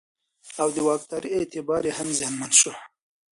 او د واکدارۍ اعتبار یې هم زیانمن شو.